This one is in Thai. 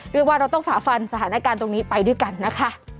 เรียกว่าเราต้องฝาฟันสถานการณ์ตรงนี้ไปด้วยกันนะคะ